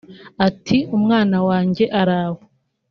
Ati “Umwana wanjye araho